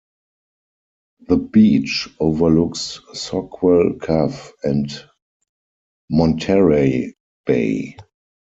The beach overlooks Soquel Cove and Monterey Bay.